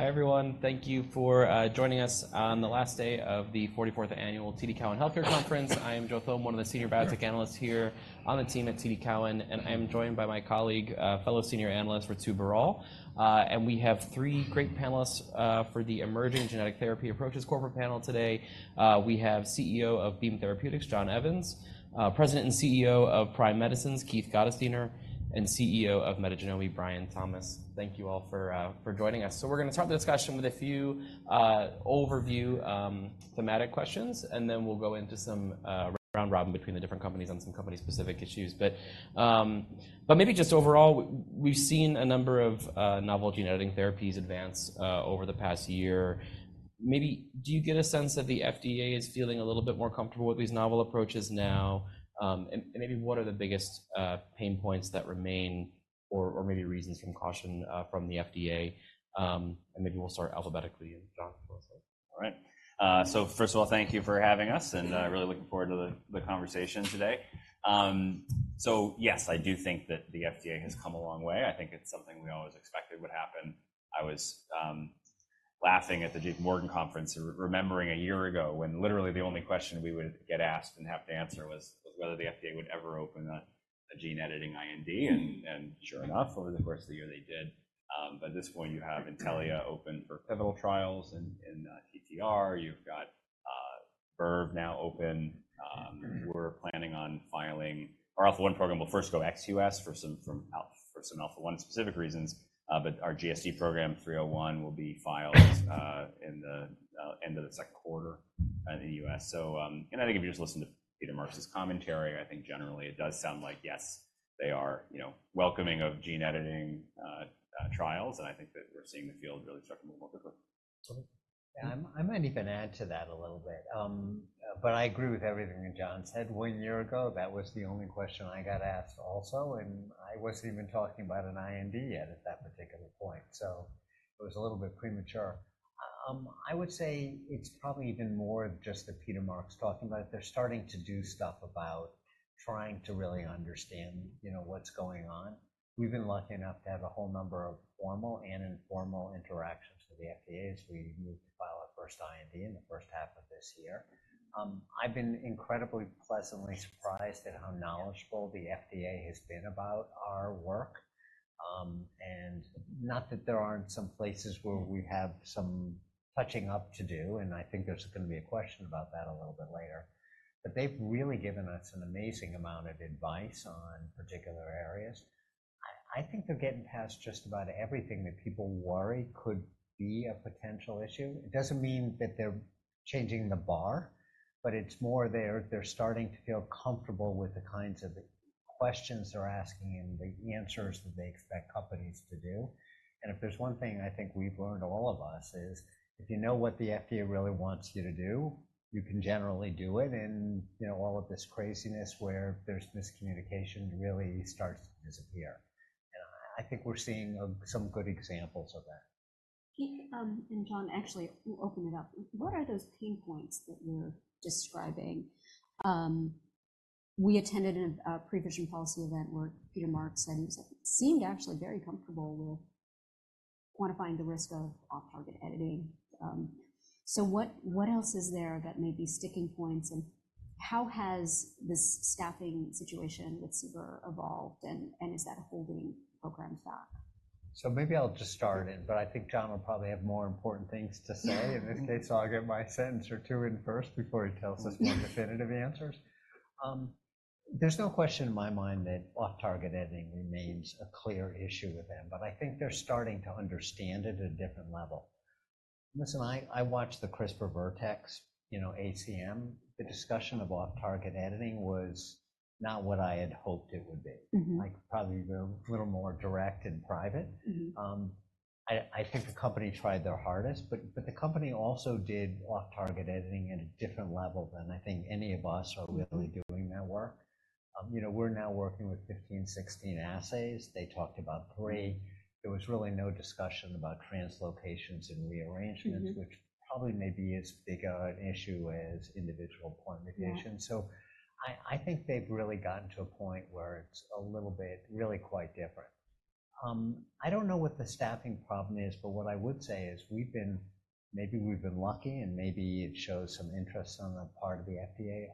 Hi everyone. Thank you for joining us on the last day of the 44th Annual TD Cowen Healthcare Conference. I am Joe Thome, one of the senior biotech analysts here on the team at TD Cowen, and I am joined by my colleague, fellow senior analyst Ritu Baral. We have three great panelists for the Emerging Genetic Therapy Approaches Corporate panel today. We have CEO of Beam Therapeutics, John Evans; President and CEO of Prime Medicine, Keith Gottesdiener; and CEO of Metagenomi, Brian Thomas. Thank you all for joining us. We're going to start the discussion with a few overview thematic questions, and then we'll go into some round-robin between the different companies on some company-specific issues. Maybe just overall, we've seen a number of novel genetic therapies advance over the past year. Maybe do you get a sense that the FDA is feeling a little bit more comfortable with these novel approaches now? And maybe what are the biggest pain points that remain, or maybe reasons for caution from the FDA? And maybe we'll start alphabetically, and John can go first. All right. So first of all, thank you for having us, and I'm really looking forward to the conversation today. So yes, I do think that the FDA has come a long way. I think it's something we always expected would happen. I was laughing at the J.P. Morgan conference and remembering a year ago when literally the only question we would get asked and have to answer was whether the FDA would ever open a gene editing IND. And sure enough, over the course of the year they did. But at this point you have Intellia open for pivotal trials in TTR. You've got Verve now open. We're planning on filing our Alpha-1 program will first go ex-U.S. for some Alpha-1 specific reasons. But our GSD program, 301, will be filed in the end of the second quarter in the U.S. I think if you just listen to Peter Marks's commentary, I think generally it does sound like yes, they are welcoming of gene editing trials, and I think that we're seeing the field really start to move more quickly. I might even add to that a little bit. But I agree with everything that John said. One year ago, that was the only question I got asked also, and I wasn't even talking about an IND yet at that particular point. So it was a little bit premature. I would say it's probably even more just that Peter Marks is talking about it. They're starting to do stuff about trying to really understand what's going on. We've been lucky enough to have a whole number of formal and informal interactions with the FDA as we move to file our first IND in the first half of this year. I've been incredibly pleasantly surprised at how knowledgeable the FDA has been about our work. Not that there aren't some places where we have some touching up to do, and I think there's going to be a question about that a little bit later. But they've really given us an amazing amount of advice on particular areas. I think they're getting past just about everything that people worry could be a potential issue. It doesn't mean that they're changing the bar, but it's more they're starting to feel comfortable with the kinds of questions they're asking and the answers that they expect companies to do. If there's one thing I think we've learned, all of us, is if you know what the FDA really wants you to do, you can generally do it. All of this craziness where there's miscommunication really starts to disappear. I think we're seeing some good examples of that. Keith and John, actually, open it up. What are those pain points that you're describing? We attended a Prevision Policy event where Peter Marks said he seemed actually very comfortable with quantifying the risk of off-target editing. So what else is there that may be sticking points? And how has this staffing situation with CBER evolved, and is that holding programs back? So maybe I'll just start in, but I think John will probably have more important things to say in this case, so I'll get my sentence or two in first before he tells us more definitive answers. There's no question in my mind that off-target editing remains a clear issue with them, but I think they're starting to understand it at a different level. Listen, I watched the CRISPR Vertex, ACM. The discussion of off-target editing was not what I had hoped it would be. Probably a little more direct and private. I think the company tried their hardest, but the company also did off-target editing at a different level than I think any of us are really doing that work. We're now working with 15, 16 assays. They talked about 3. There was really no discussion about translocations and rearrangements, which probably maybe isn't as big of an issue as individual point mutations. So I think they've really gotten to a point where it's a little bit really quite different. I don't know what the staffing problem is, but what I would say is maybe we've been lucky and maybe it shows some interest on the part of the FDA.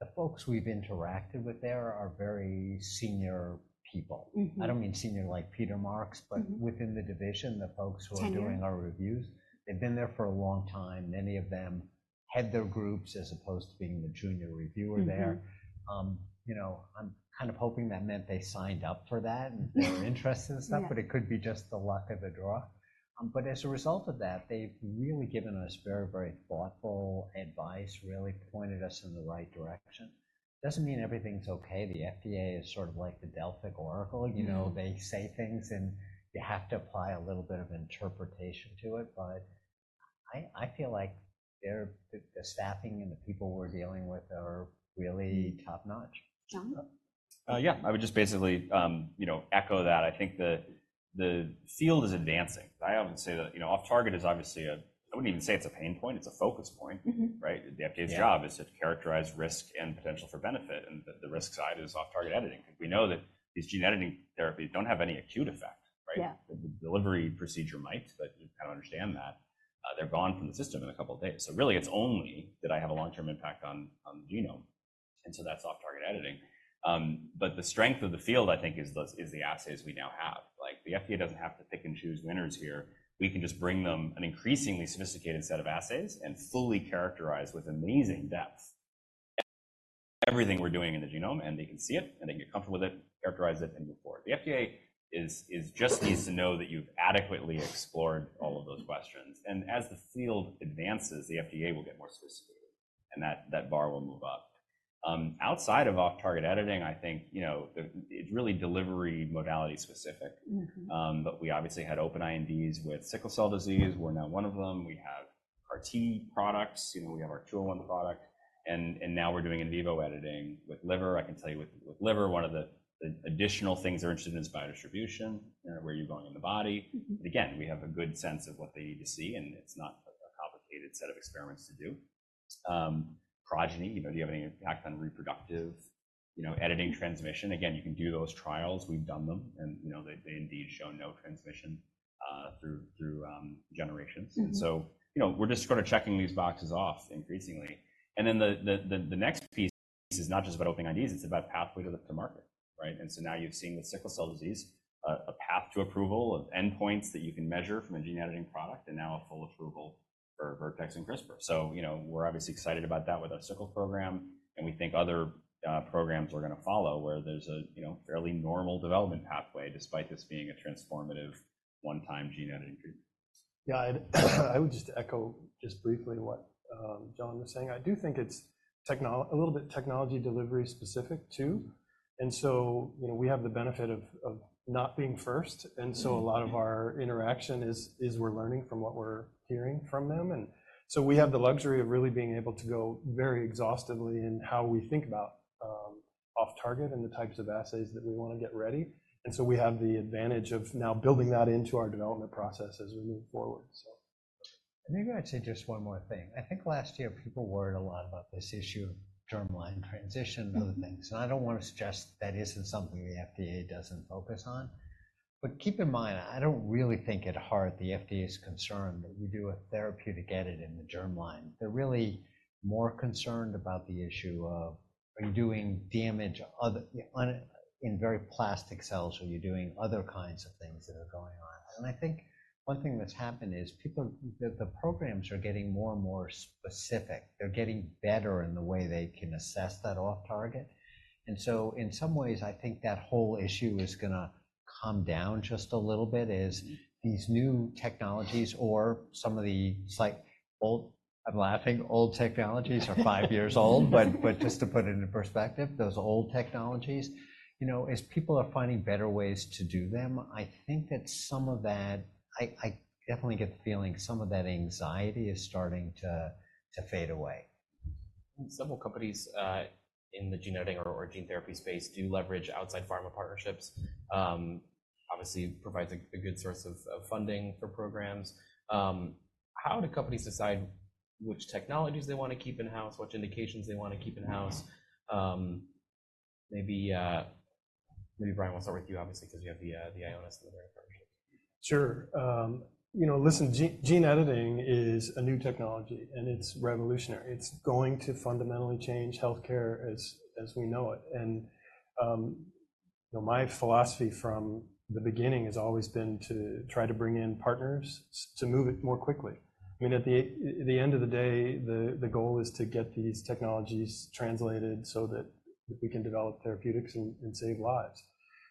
The folks we've interacted with there are very senior people. I don't mean senior like Peter Marks, but within the division, the folks who are doing our reviews. They've been there for a long time. Many of them head their groups as opposed to being the junior reviewer there. I'm kind of hoping that meant they signed up for that and they were interested in stuff, but it could be just the luck of the draw. As a result of that, they've really given us very, very thoughtful advice, really pointed us in the right direction. It doesn't mean everything's okay. The FDA is sort of like the Delphic Oracle. They say things, and you have to apply a little bit of interpretation to it. I feel like the staffing and the people we're dealing with are really top-notch. John? Yeah. I would just basically echo that. I think the field is advancing. I often say that off-target is obviously a, I wouldn't even say it's a pain point. It's a focus point, right? The FDA's job is to characterize risk and potential for benefit, and the risk side is off-target editing. Because we know that these gene editing therapies don't have any acute effect, right? The delivery procedure might, but you kind of understand that. They're gone from the system in a couple of days. So really, it's only that I have a long-term impact on the genome, and so that's off-target editing. But the strength of the field, I think, is the assays we now have. The FDA doesn't have to pick and choose winners here. We can just bring them an increasingly sophisticated set of assays and fully characterize with amazing depth everything we're doing in the genome, and they can see it, and they can get comfortable with it, characterize it, and move forward. The FDA just needs to know that you've adequately explored all of those questions. As the field advances, the FDA will get more sophisticated, and that bar will move up. Outside of Off-Target Editing, I think it's really delivery modality-specific. But we obviously had open INDs with Sickle Cell Disease. We're now one of them. We have CAR-T products. We have our 201 product. And now we're doing in vivo editing with liver. I can tell you with liver, one of the additional things they're interested in is Biodistribution, where you're going in the body. But again, we have a good sense of what they need to see, and it's not a complicated set of experiments to do. Progeny, do you have any impact on reproductive editing transmission? Again, you can do those trials. We've done them, and they indeed show no transmission through generations. And so we're just sort of checking these boxes off increasingly. And then the next piece is not just about open INDs. It's about pathway to market, right? And so now you've seen with sickle cell disease a path to approval of endpoints that you can measure from a gene editing product and now a full approval for Vertex and CRISPR. So we're obviously excited about that with our sickle program, and we think other programs are going to follow where there's a fairly normal development pathway despite this being a transformative one-time gene editing treatment. Yeah. I would just echo just briefly what John was saying. I do think it's a little bit technology delivery-specific, too. And so we have the benefit of not being first, and so a lot of our interaction is we're learning from what we're hearing from them. And so we have the luxury of really being able to go very exhaustively in how we think about off-target and the types of assays that we want to get ready. And so we have the advantage of now building that into our development process as we move forward, so. Maybe I'd say just one more thing. I think last year people worried a lot about this issue of germline transmission and other things. I don't want to suggest that isn't something the FDA doesn't focus on. But keep in mind, I don't really think at heart the FDA is concerned that we do a therapeutic edit in the germline. They're really more concerned about the issue of are you doing damage in very plastic cells, or are you doing other kinds of things that are going on? I think one thing that's happened is the programs are getting more and more specific. They're getting better in the way they can assess that off-target. So in some ways, I think that whole issue is going to calm down just a little bit, is these new technologies or some of the old I'm laughing. Old technologies are 5 years old. But just to put it into perspective, those old technologies, as people are finding better ways to do them, I think that some of that I definitely get the feeling some of that anxiety is starting to fade away. Several companies in the gene editing or gene therapy space do leverage outside pharma partnerships. Obviously, it provides a good source of funding for programs. How do companies decide which technologies they want to keep in-house, which indications they want to keep in-house? Maybe Brian, we'll start with you, obviously, because you have the Ionis's partnership. Sure. Listen, gene editing is a new technology, and it's revolutionary. It's going to fundamentally change healthcare as we know it. And my philosophy from the beginning has always been to try to bring in partners to move it more quickly. I mean, at the end of the day, the goal is to get these technologies translated so that we can develop therapeutics and save lives.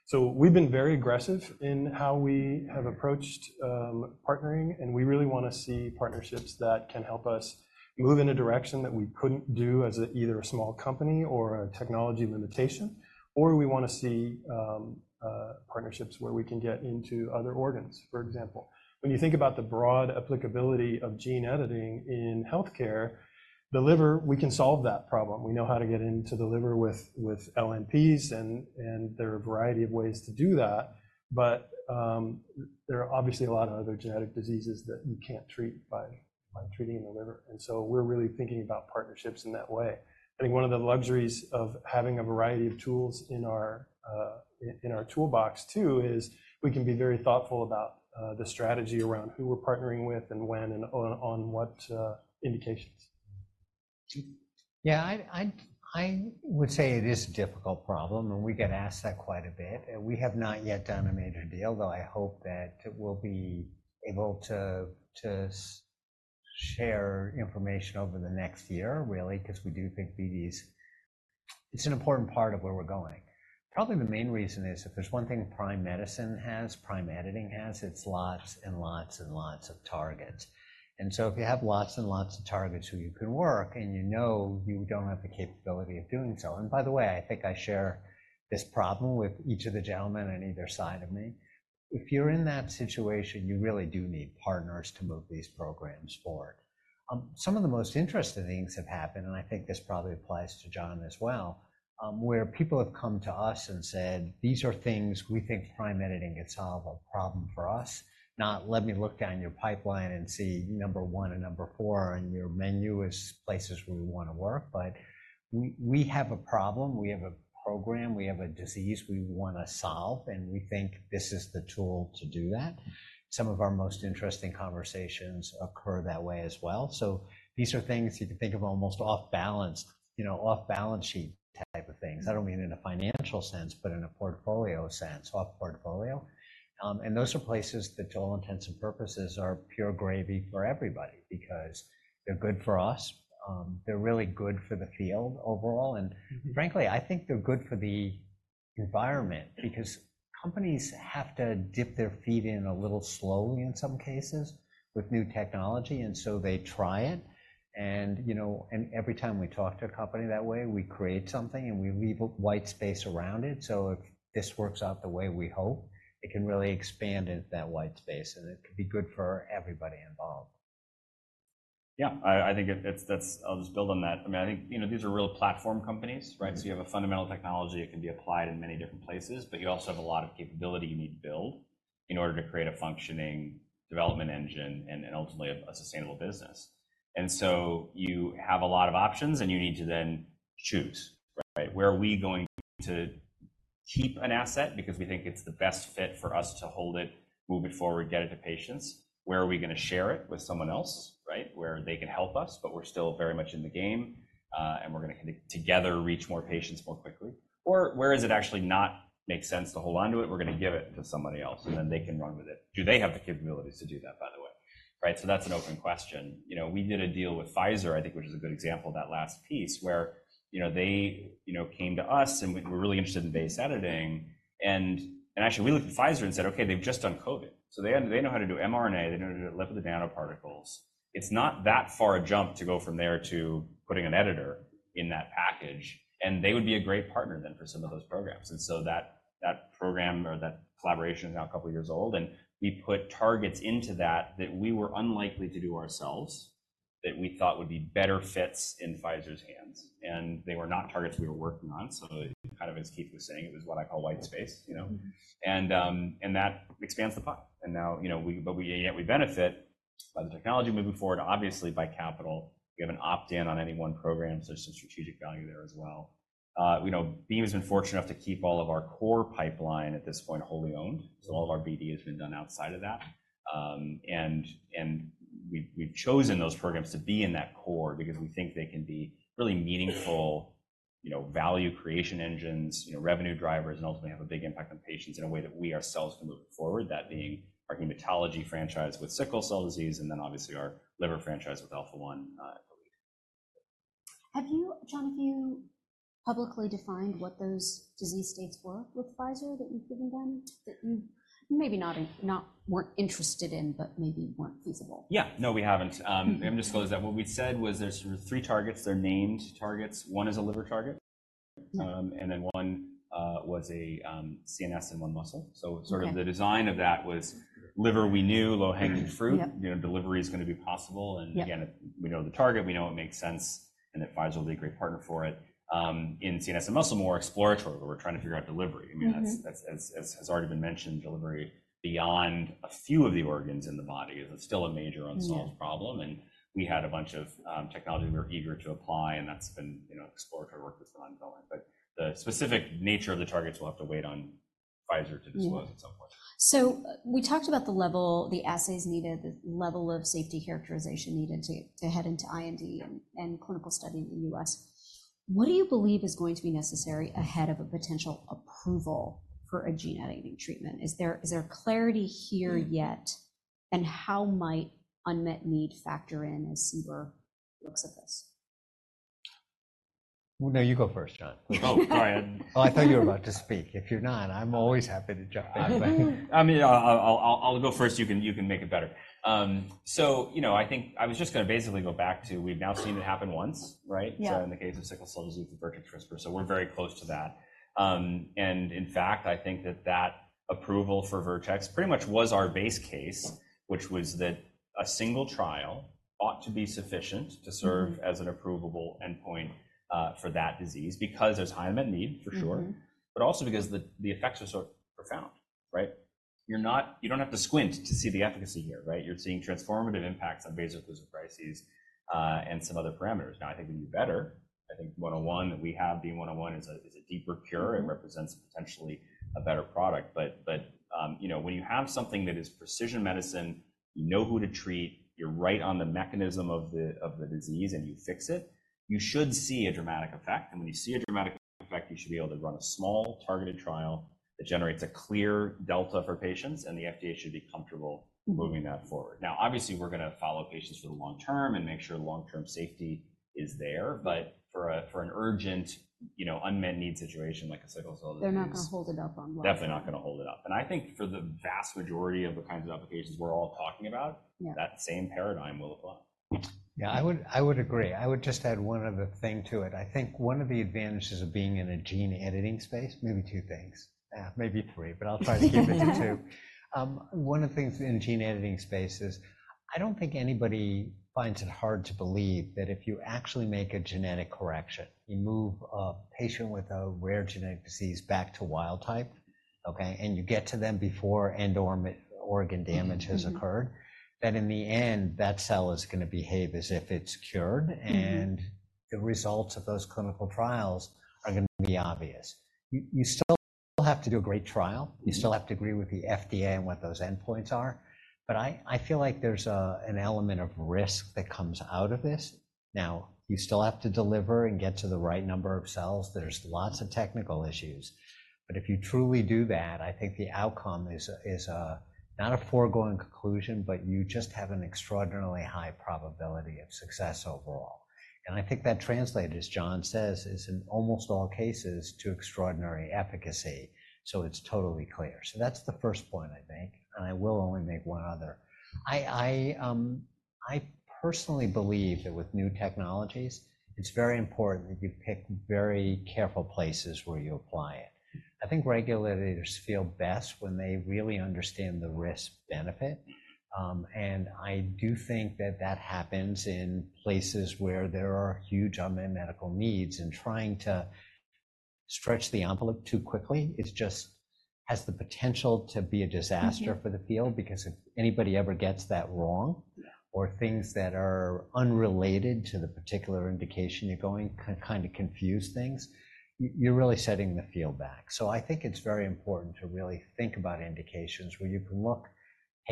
So we've been very aggressive in how we have approached partnering, and we really want to see partnerships that can help us move in a direction that we couldn't do as either a small company or a technology limitation. Or we want to see partnerships where we can get into other organs, for example. When you think about the broad applicability of gene editing in healthcare, the liver, we can solve that problem. We know how to get into the liver with LNPs, and there are a variety of ways to do that. But there are obviously a lot of other genetic diseases that you can't treat by treating the liver. And so we're really thinking about partnerships in that way. I think one of the luxuries of having a variety of tools in our toolbox, too, is we can be very thoughtful about the strategy around who we're partnering with and when and on what indications. Yeah. I would say it is a difficult problem, and we get asked that quite a bit. We have not yet done a major deal, though I hope that we'll be able to share information over the next year, really, because we do think BD is it's an important part of where we're going. Probably the main reason is if there's one thing Prime Medicine has, Prime Editing has, it's lots and lots and lots of targets. And so if you have lots and lots of targets who you can work and you know you don't have the capability of doing so and by the way, I think I share this problem with each of the gentlemen on either side of me. If you're in that situation, you really do need partners to move these programs forward. Some of the most interesting things have happened, and I think this probably applies to John as well, where people have come to us and said, "These are things we think Prime Editing could solve, a problem for us. Not, let me look down your pipeline and see number one and number four, and your menu is places where we want to work. But we have a problem. We have a program. We have a disease we want to solve, and we think this is the tool to do that." Some of our most interesting conversations occur that way as well. So these are things you could think of almost off-balance, off-balance sheet type of things. I don't mean in a financial sense, but in a portfolio sense, off-portfolio. And those are places that, to all intents and purposes, are pure gravy for everybody because they're good for us. They're really good for the field overall. Frankly, I think they're good for the environment because companies have to dip their feet in a little slowly in some cases with new technology, and so they try it. Every time we talk to a company that way, we create something, and we leave a white space around it. If this works out the way we hope, it can really expand into that white space, and it could be good for everybody involved. Yeah. I think I'll just build on that. I mean, I think these are real platform companies, right? So you have a fundamental technology. It can be applied in many different places, but you also have a lot of capability you need to build in order to create a functioning development engine and ultimately a sustainable business. And so you have a lot of options, and you need to then choose, right? Where are we going to keep an asset because we think it's the best fit for us to hold it, move it forward, get it to patients? Where are we going to share it with someone else, right, where they can help us, but we're still very much in the game, and we're going to together reach more patients more quickly? Or where does it actually not make sense to hold onto it? We're going to give it to somebody else, and then they can run with it. Do they have the capabilities to do that, by the way, right? So that's an open question. We did a deal with Pfizer, I think, which is a good example, that last piece where they came to us, and we're really interested in base editing. And actually, we looked at Pfizer and said, "Okay. They've just done COVID. So they know how to do mRNA. They know how to do lipid nanoparticles. It's not that far a jump to go from there to putting an editor in that package." And they would be a great partner then for some of those programs. That program or that collaboration is now a couple of years old, and we put targets into that that we were unlikely to do ourselves, that we thought would be better fits in Pfizer's hands. They were not targets we were working on. So kind of as Keith was saying, it was what I call white space. That expands the pot. Now, but yet we benefit by the technology moving forward, obviously, by capital. We have an opt-in on any one program. So there's some strategic value there as well. Beam has been fortunate enough to keep all of our core pipeline at this point wholly owned. So all of our BD has been done outside of that. We've chosen those programs to be in that core because we think they can be really meaningful value creation engines, revenue drivers, and ultimately have a big impact on patients in a way that we ourselves can move forward, that being our hematology franchise with Sickle Cell Disease and then obviously our liver franchise with Alpha-1, I believe. John, have you publicly defined what those disease states were with Pfizer that you've given them? That you maybe weren't interested in but maybe weren't feasible? Yeah. No, we haven't. I'm going to disclose that. What we said was there's three targets. They're named targets. One is a liver target. And then one was a CNS and one muscle. So sort of the design of that was liver, we knew, low-hanging fruit. Delivery is going to be possible. And again, we know the target. We know it makes sense, and that Pfizer will be a great partner for it. In CNS and muscle, more exploratory, where we're trying to figure out delivery. I mean, as has already been mentioned, delivery beyond a few of the organs in the body is still a major unsolved problem. And we had a bunch of technology we were eager to apply, and that's been exploratory work that's been ongoing. But the specific nature of the targets we'll have to wait on Pfizer to disclose at some point. So we talked about the level the assays needed, the level of safety characterization needed to head into IND and clinical study in the U.S. What do you believe is going to be necessary ahead of a potential approval for a gene editing treatment? Is there clarity here yet, and how might unmet need factor in as Seabrook looks at this? Well, no, you go first, John. Oh, sorry. Oh, I thought you were about to speak. If you're not, I'm always happy to jump in. I mean, I'll go first. You can make it better. So I think I was just going to basically go back to we've now seen it happen once, right, in the case of Sickle Cell Disease with Vertex CRISPR. So we're very close to that. And in fact, I think that that approval for Vertex pretty much was our base case, which was that a single trial ought to be sufficient to serve as an approvable endpoint for that disease because there's high unmet need, for sure, but also because the effects are so profound, right? You don't have to squint to see the efficacy here, right? You're seeing transformative impacts on vaso-occlusive crises and some other parameters. Now, I think we do better. I think 101 that we have BEAM-101 is a deeper cure and represents potentially a better product. But when you have something that is precision medicine, you know who to treat, you're right on the mechanism of the disease, and you fix it, you should see a dramatic effect. And when you see a dramatic effect, you should be able to run a small targeted trial that generates a clear delta for patients, and the FDA should be comfortable moving that forward. Now, obviously, we're going to follow patients for the long term and make sure long-term safety is there. But for an urgent unmet need situation like a Sickle Cell Disease. They're not going to hold it up on one. Definitely not going to hold it up. I think for the vast majority of the kinds of applications we're all talking about, that same paradigm will apply. Yeah. I would agree. I would just add one other thing to it. I think one of the advantages of being in a gene editing space, maybe two things. Maybe three, but I'll try to keep it to two. One of the things in gene editing spaces, I don't think anybody finds it hard to believe that if you actually make a genetic correction, you move a patient with a rare genetic disease back to wild type, okay, and you get to them before and/or organ damage has occurred, that in the end, that cell is going to behave as if it's cured, and the results of those clinical trials are going to be obvious. You still have to do a great trial. You still have to agree with the FDA and what those endpoints are. But I feel like there's an element of risk that comes out of this. Now, you still have to deliver and get to the right number of cells. There's lots of technical issues. But if you truly do that, I think the outcome is not a foregone conclusion, but you just have an extraordinarily high probability of success overall. And I think that translated, as John says, is in almost all cases to extraordinary efficacy. So it's totally clear. So that's the first point, I think. And I will only make one other. I personally believe that with new technologies, it's very important that you pick very careful places where you apply it. I think regulators feel best when they really understand the risk-benefit. And I do think that that happens in places where there are huge unmet medical needs. Trying to stretch the envelope too quickly has the potential to be a disaster for the field because if anybody ever gets that wrong or things that are unrelated to the particular indication you're going can kind of confuse things, you're really setting the field back. I think it's very important to really think about indications where you can look at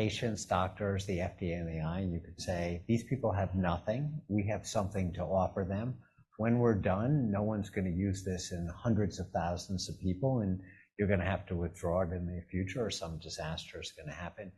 patients, doctors, the FDA in the eye, and you could say, "These people have nothing. We have something to offer them. When we're done, no one's going to use this in hundreds of thousands of people, and you're going to have to withdraw it in the future, or some disaster is going to happen."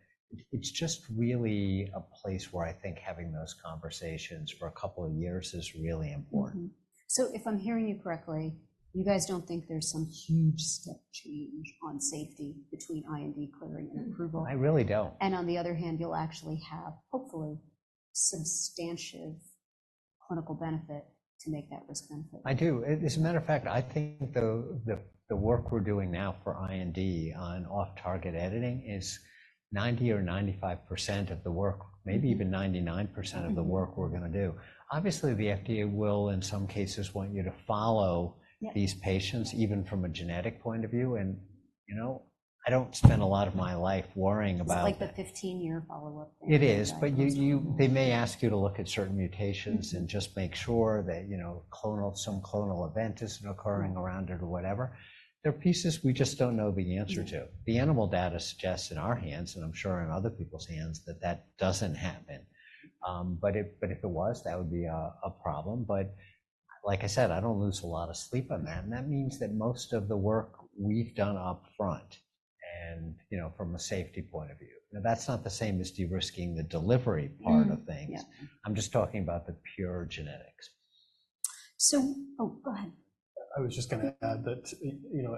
It's just really a place where I think having those conversations for a couple of years is really important. So if I'm hearing you correctly, you guys don't think there's some huge step change on safety between IND clearing and approval? I really don't. On the other hand, you'll actually have, hopefully, substantial clinical benefit to make that risk-benefit. I do. As a matter of fact, I think the work we're doing now for IND on off-target editing is 90% or 95% of the work, maybe even 99% of the work we're going to do. Obviously, the FDA will, in some cases, want you to follow these patients, even from a genetic point of view. And I don't spend a lot of my life worrying about. It's like the 15-year follow-up thing. It is. But they may ask you to look at certain mutations and just make sure that some clonal event isn't occurring around it or whatever. There are pieces we just don't know the answer to. The animal data suggests in our hands, and I'm sure in other people's hands, that that doesn't happen. But if it was, that would be a problem. But like I said, I don't lose a lot of sleep on that. And that means that most of the work we've done upfront and from a safety point of view. Now, that's not the same as de-risking the delivery part of things. I'm just talking about the pure genetics. So, oh, go ahead. I was just going to add that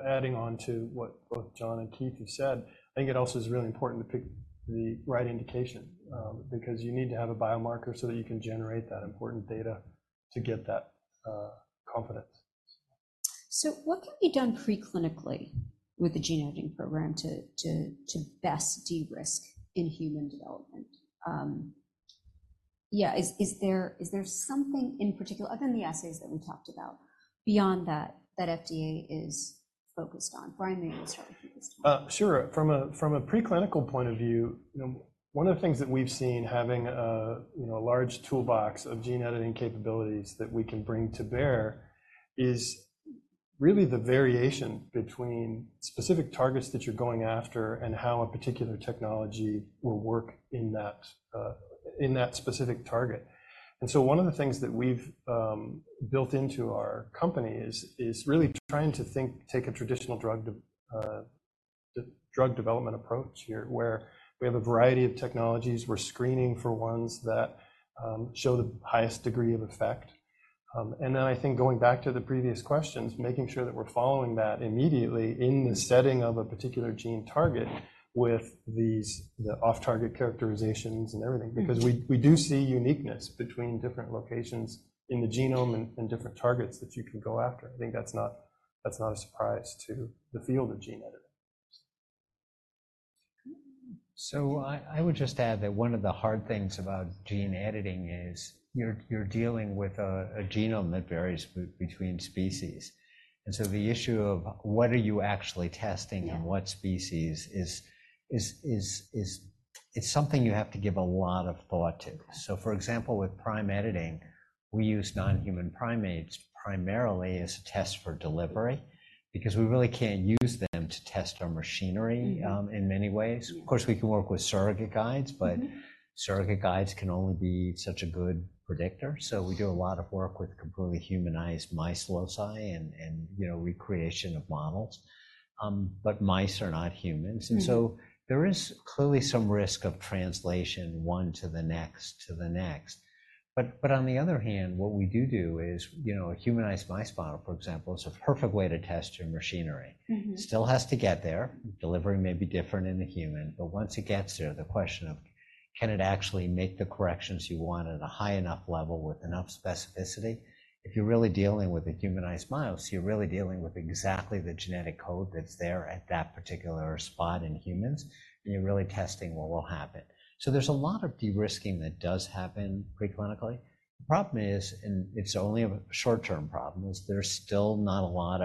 adding onto what both John and Keith have said, I think it also is really important to pick the right indication because you need to have a biomarker so that you can generate that important data to get that confidence. So what can be done preclinically with the gene editing program to best de-risk in-human development? Yeah. Is there something in particular, other than the assays that we talked about, beyond that the FDA is focused on? Brian, maybe we'll start with Keith's point. Sure. From a preclinical point of view, one of the things that we've seen having a large toolbox of gene editing capabilities that we can bring to bear is really the variation between specific targets that you're going after and how a particular technology will work in that specific target. And so one of the things that we've built into our company is really trying to take a traditional drug development approach here where we have a variety of technologies. We're screening for ones that show the highest degree of effect. And then I think going back to the previous questions, making sure that we're following that immediately in the setting of a particular gene target with the off-target characterizations and everything because we do see uniqueness between different locations in the genome and different targets that you can go after. I think that's not a surprise to the field of gene editing. So I would just add that one of the hard things about Gene Editing is you're dealing with a genome that varies between species. And so the issue of what are you actually testing and what species is something you have to give a lot of thought to. So for example, with Prime Editing, we use non-human primates primarily as a test for delivery because we really can't use them to test our machinery in many ways. Of course, we can work with surrogate guides, but surrogate guides can only be such a good predictor. So we do a lot of work with completely humanized mice loci and recreation of models. But mice are not humans. And so there is clearly some risk of translation one to the next to the next. But on the other hand, what we do do is a humanized mouse model, for example, is a perfect way to test your machinery. Still has to get there. Delivery may be different in the human. But once it gets there, the question of can it actually make the corrections you want at a high enough level with enough specificity? If you're really dealing with a humanized mouse, you're really dealing with exactly the genetic code that's there at that particular spot in humans, and you're really testing what will happen. So there's a lot of de-risking that does happen preclinically. The problem is, and it's only a short-term problem, is there's still not a lot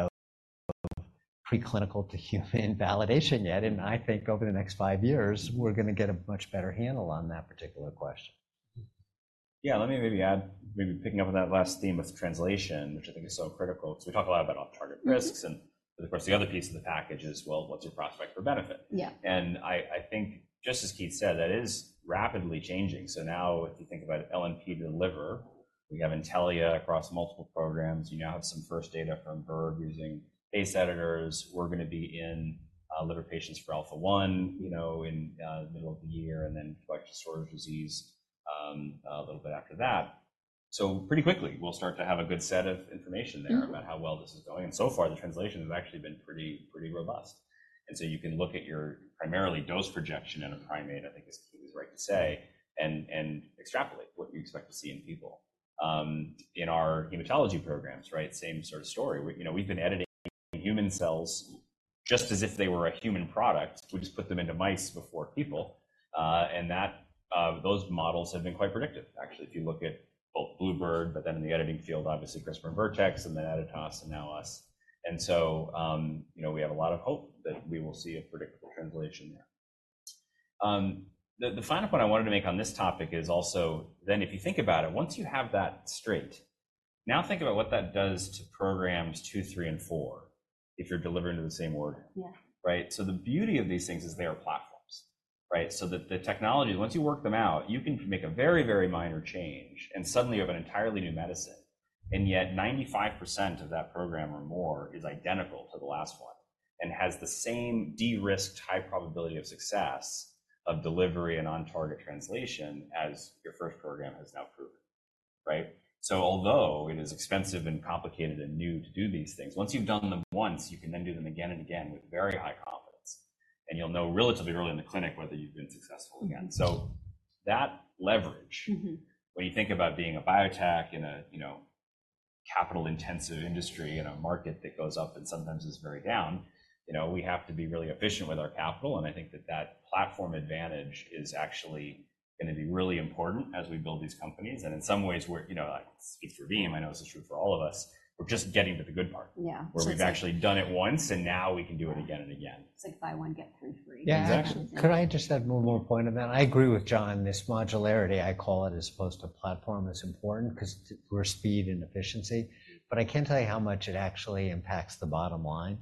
of preclinical-to-human validation yet. And I think over the next five years, we're going to get a much better handle on that particular question. Yeah. Let me maybe add, maybe picking up on that last theme with translation, which I think is so critical because we talk a lot about off-target risks. And of course, the other piece of the package is, well, what's your prospect for benefit? And I think, just as Keith said, that is rapidly changing. So now, if you think about LNP delivery, we have Intellia across multiple programs. You now have some first data from Verve using base editors. We're going to be in liver patients for alpha-1 in the middle of the year and then glycogen storage disease a little bit after that. So pretty quickly, we'll start to have a good set of information there about how well this is going. And so far, the translation has actually been pretty robust. So you can look at your primary dose projection in a primate, I think, as Keith is right to say, and extrapolate what you expect to see in people. In our hematology programs, right, same sort of story. We've been editing human cells just as if they were a human product. We just put them into mice before people. And those models have been quite predictive, actually, if you look at both Bluebird, but then in the editing field, obviously, CRISPR and Vertex, and then Editas, and now us. And so we have a lot of hope that we will see a predictable translation there. The final point I wanted to make on this topic is also then, if you think about it, once you have that straight, now think about what that does to programs two, three, and four if you're delivering to the same order, right? So the beauty of these things is they are platforms, right? So that the technology, once you work them out, you can make a very, very minor change, and suddenly, you have an entirely new medicine. And yet, 95% of that program or more is identical to the last one and has the same de-risked, high probability of success of delivery and on-target translation as your first program has now proven, right? So although it is expensive and complicated and new to do these things, once you've done them once, you can then do them again and again with very high confidence, and you'll know relatively early in the clinic whether you've been successful again. So that leverage, when you think about being a biotech in a capital-intensive industry in a market that goes up and sometimes is very down, we have to be really efficient with our capital. I think that that platform advantage is actually going to be really important as we build these companies. In some ways, speaks for Beam. I know this is true for all of us. We're just getting to the good part where we've actually done it once, and now we can do it again and again. It's like buy one, get three free. Yeah. Exactly. Could I just add one more point on that? I agree with John. This modularity, I call it, as opposed to platform, is important because we're speed and efficiency. But I can't tell you how much it actually impacts the bottom line.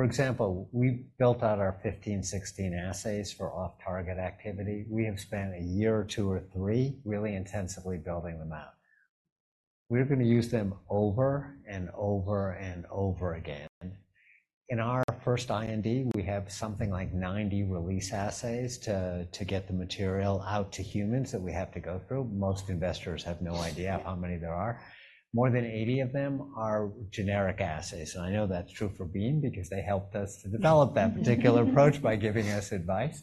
For example, we built out our 15, 16 assays for off-target activity. We have spent a year or two or three really intensively building them out. We're going to use them over and over and over again. In our first IND, we have something like 90 release assays to get the material out to humans that we have to go through. Most investors have no idea how many there are. More than 80 of them are generic assays. And I know that's true for Beam because they helped us to develop that particular approach by giving us advice.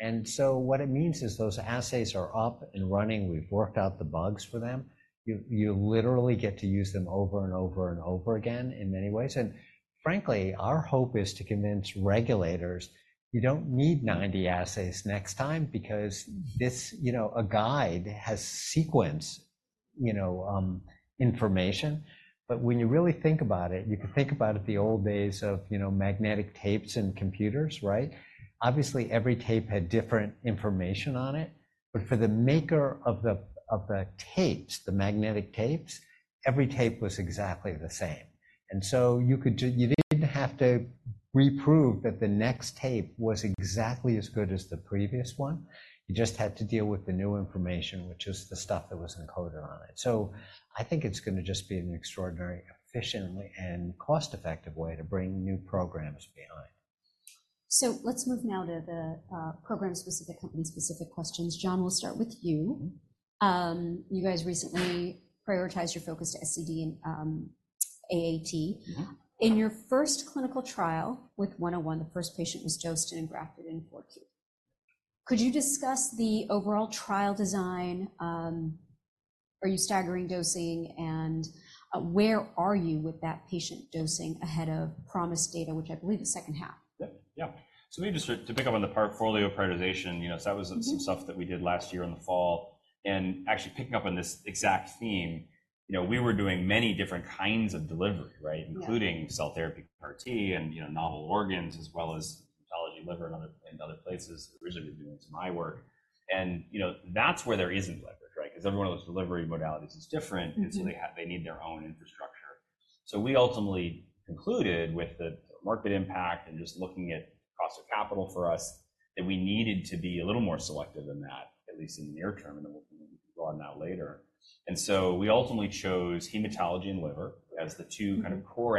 And so what it means is those assays are up and running. We've worked out the bugs for them. You literally get to use them over and over and over again in many ways. And frankly, our hope is to convince regulators, "You don't need 90 assays next time because a guide has sequence information." But when you really think about it, you can think about it the old days of magnetic tapes and computers, right? Obviously, every tape had different information on it. But for the maker of the tapes, the magnetic tapes, every tape was exactly the same. And so you didn't have to re-prove that the next tape was exactly as good as the previous one. You just had to deal with the new information, which is the stuff that was encoded on it. I think it's going to just be an extraordinarily efficient and cost-effective way to bring new programs behind. Let's move now to the program-specific, company-specific questions. John, we'll start with you. You guys recently prioritized your focus to SCD and AAT. In your first clinical trial with 101, the first patient was dosed and grafted in 4Q. Could you discuss the overall trial design? Are you staggering dosing? And where are you with that patient dosing ahead of promised data, which I believe is second half? Yep. Yeah. So maybe just to pick up on the portfolio prioritization. So that was some stuff that we did last year in the fall. And actually picking up on this exact theme, we were doing many different kinds of delivery, right, including cell therapy RT and novel organs as well as hematology, liver, and other places originally doing some eye work. And that's where there isn't leverage, right, because every one of those delivery modalities is different. And so they need their own infrastructure. So we ultimately concluded with the market impact and just looking at cost of capital for us that we needed to be a little more selective than that, at least in the near term. And then we'll draw on that later. And so we ultimately chose hematology and liver as the two kind of core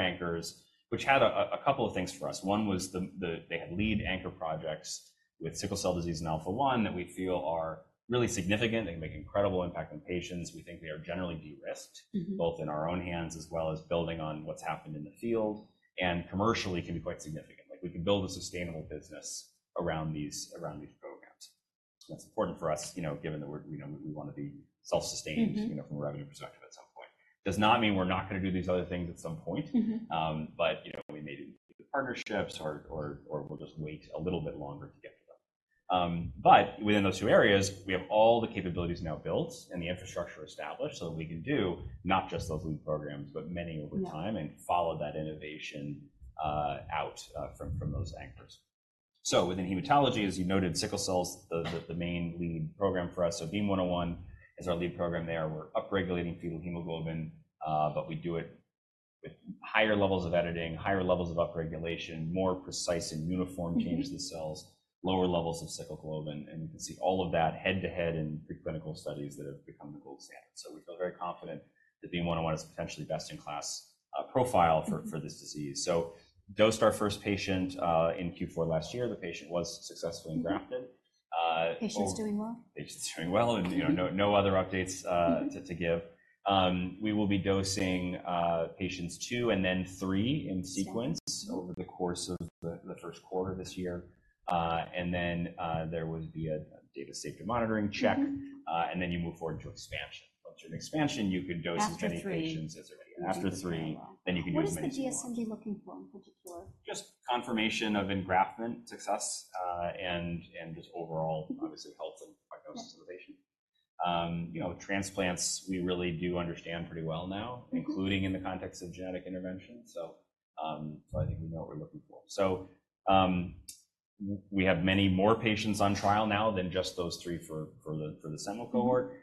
anchors, which had a couple of things for us. One was they had lead anchor projects with Sickle Cell Disease and alpha-1 that we feel are really significant. They make an incredible impact on patients. We think they are generally de-risked, both in our own hands as well as building on what's happened in the field, and commercially can be quite significant. We can build a sustainable business around these programs. That's important for us given that we want to be self-sustained from a revenue perspective at some point. Does not mean we're not going to do these other things at some point. But we may do partnerships, or we'll just wait a little bit longer to get to them. But within those two areas, we have all the capabilities now built and the infrastructure established so that we can do not just those lead programs, but many over time and follow that innovation out from those anchors. So within hematology, as you noted, sickle cell's the main lead program for us. So BEAM-101 is our lead program there. We're upregulating fetal hemoglobin, but we do it with higher levels of editing, higher levels of upregulation, more precise and uniform changes to the cells, lower levels of sickle globin. And you can see all of that head-to-head in preclinical studies that have become the gold standard. So we feel very confident that BEAM-101 is potentially best-in-class profile for this disease. So dosed our first patient in Q4 last year. The patient was successfully grafted. Patient's doing well? Patient's doing well. No other updates to give. We will be dosing patients 2 and then 3 in sequence over the course of the first quarter this year. Then there would be a data safety monitoring check. Then you move forward to expansion. Once you're in expansion, you can dose as many patients as there are. After 3, then you can do as many as you want. What is the DSMB looking for in particular? Just confirmation of engraftment success and just overall, obviously, health and prognosis of the patient. Transplants, we really do understand pretty well now, including in the context of genetic intervention. So I think we know what we're looking for. So we have many more patients on trial now than just those three for the seminal cohort.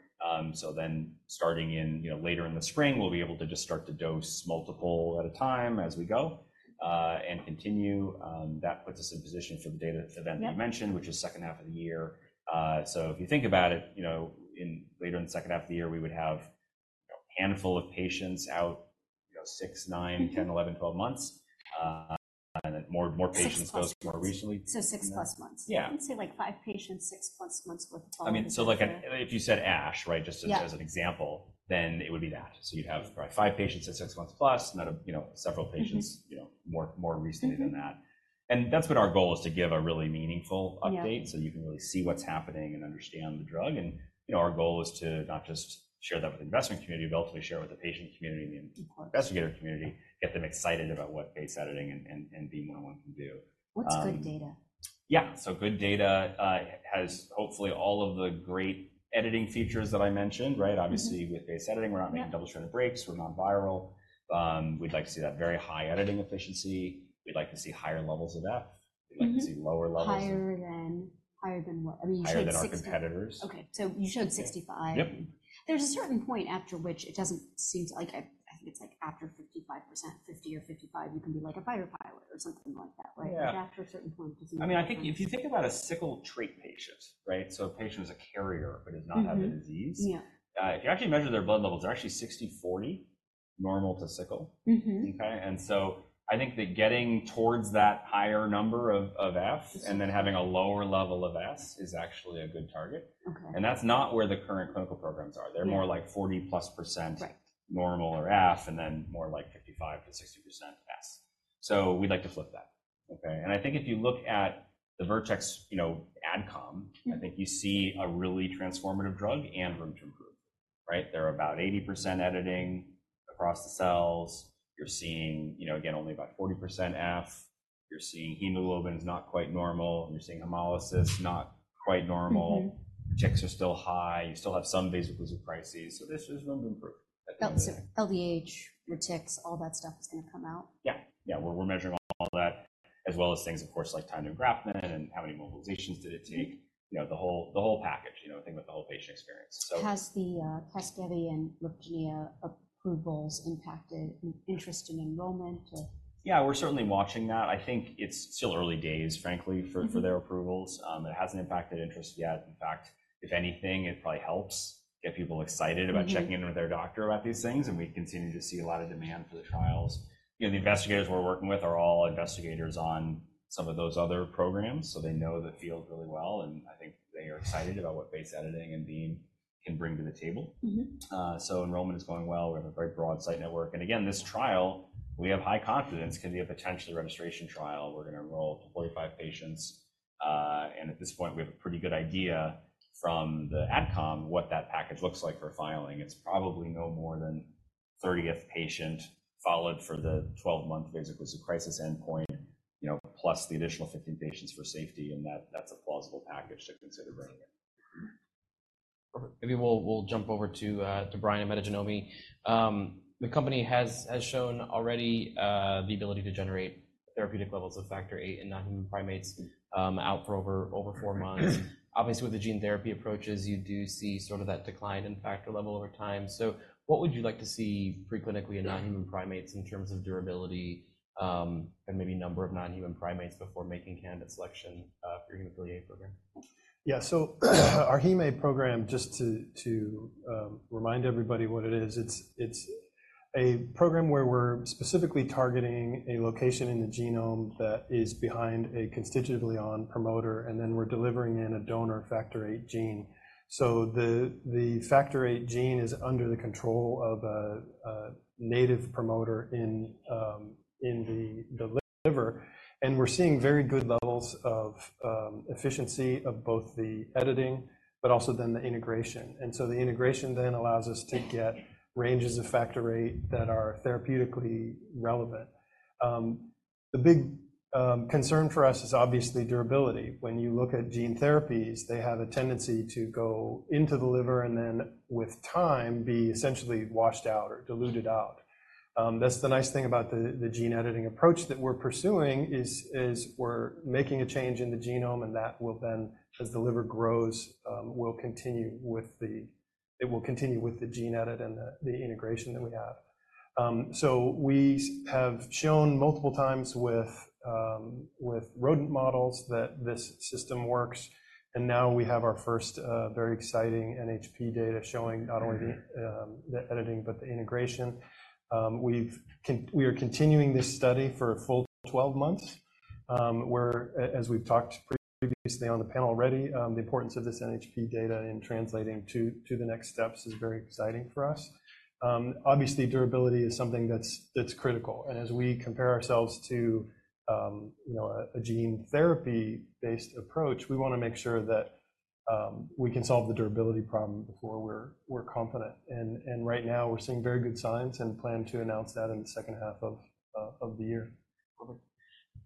So then starting later in the spring, we'll be able to just start to dose multiple at a time as we go and continue. That puts us in position for the data event you mentioned, which is second half of the year. So if you think about it, later in the second half of the year, we would have a handful of patients out six, nine, 10, 11, 12 months. And then more patients dosed more recently. 6+ months. I'd say like 5 patients, 6+ months with 12. I mean, so if you said Ash, right, just as an example, then it would be that. So you'd have probably 5 patients at 6 months plus, not several patients more recently than that. And that's what our goal is, to give a really meaningful update so you can really see what's happening and understand the drug. And our goal is to not just share that with the investment community, but ultimately share it with the patient community and the investigator community, get them excited about what base editing and BEAM-101 can do. What's good data? Yeah. So good data has hopefully all of the great editing features that I mentioned, right? Obviously, with base editing, we're not making double-stranded breaks. We're non-viral. We'd like to see that very high editing efficiency. We'd like to see higher levels of F. We'd like to see lower levels. Higher than what? I mean, you showed 65. Higher than our competitors. Okay. So you showed 65. There's a certain point after which it doesn't seem to. I think it's after 55%, 50 or 55, you can be like a fire pilot or something like that, right? After a certain point, does it not? I mean, I think if you think about a sickle trait patient, right, so a patient who's a carrier but does not have the disease, if you actually measure their blood levels, they're actually 60/40 normal to sickle, okay? And so I think that getting towards that higher number of F and then having a lower level of S is actually a good target. And that's not where the current clinical programs are. They're more like 40+% normal or F and then more like 55%-60% S. So we'd like to flip that, okay? And I think if you look at the Vertex Adcom, I think you see a really transformative drug and room to improve, right? They're about 80% editing across the cells. You're seeing, again, only about 40% F. You're seeing hemoglobin is not quite normal. You're seeing hemolysis not quite normal. Reticulocytes are still high. You still have some vaso-occlusive crises. So this is room to improve. LDH, retics, all that stuff is going to come out? Yeah. Yeah. We're measuring all that as well as things, of course, like time to engraftment and how many mobilizations did it take, the whole package, thinking about the whole patient experience, so. Has the CASGEVY and LYFGENIA approvals impacted interest in enrollment? Yeah. We're certainly watching that. I think it's still early days, frankly, for their approvals. It hasn't impacted interest yet. In fact, if anything, it probably helps get people excited about checking in with their doctor about these things. And we continue to see a lot of demand for the trials. The investigators we're working with are all investigators on some of those other programs. So they know the field really well. And I think they are excited about what base editing and Beam can bring to the table. So enrollment is going well. We have a very broad site network. And again, this trial, we have high confidence, can be a potentially registration trial. We're going to enroll 45 patients. And at this point, we have a pretty good idea from the Adcom what that package looks like for filing. It's probably no more than the 30th patient followed for the 12-month vasoconstrictive crisis endpoint plus the additional 15 patients for safety. That's a plausible package to consider bringing in. Perfect. Maybe we'll jump over to Brian at Metagenomi. The company has shown already the ability to generate therapeutic levels of factor VIII in non-human primates out for over four months. Obviously, with the gene therapy approaches, you do see sort of that decline in factor level over time. So what would you like to see preclinically in non-human primates in terms of durability and maybe number of non-human primates before making candidate selection for your HEMA affiliate program? Yeah. So our HEMA program, just to remind everybody what it is, it's a program where we're specifically targeting a location in the genome that is behind a constitutively on promoter. And then we're delivering in a donor factor VIII gene. So the factor VIII gene is under the control of a native promoter in the liver. And we're seeing very good levels of efficiency of both the editing but also then the integration. And so the integration then allows us to get ranges of factor VIII that are therapeutically relevant. The big concern for us is obviously durability. When you look at gene therapies, they have a tendency to go into the liver and then with time be essentially washed out or diluted out. That's the nice thing about the gene editing approach that we're pursuing is we're making a change in the genome. And that will then, as the liver grows, will continue with the gene edit and the integration that we have. So we have shown multiple times with rodent models that this system works. And now we have our first very exciting NHP data showing not only the editing but the integration. We are continuing this study for a full 12 months. As we've talked previously on the panel already, the importance of this NHP data in translating to the next steps is very exciting for us. Obviously, durability is something that's critical. And as we compare ourselves to a gene therapy-based approach, we want to make sure that we can solve the durability problem before we're confident. And right now, we're seeing very good signs. And plan to announce that in the second half of the year. Perfect.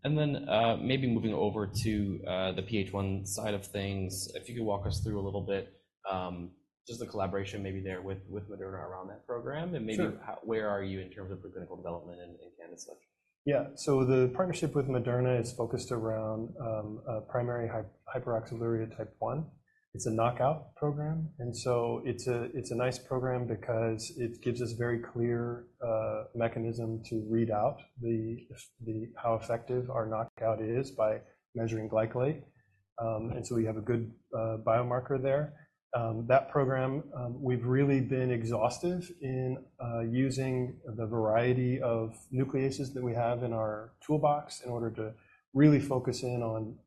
And then maybe moving over to the PH1 side of things, if you could walk us through a little bit just the collaboration maybe there with Moderna around that program and maybe where are you in terms of preclinical development and candidates such? Yeah. So the partnership with Moderna is focused around Primary Hyperoxaluria Type 1. It's a knockout program. And so it's a nice program because it gives us a very clear mechanism to read out how effective our knockout is by measuring glycolate. And so we have a good biomarker there. That program, we've really been exhaustive in using the variety of nucleases that we have in our toolbox in order to really focus in on